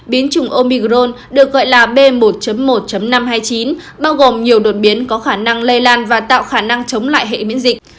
biến chủng omicron được gọi là b một một năm trăm hai mươi chín bao gồm nhiều đột biến có khả năng lây lan và tạo khả năng chống lại hệ miễn dịch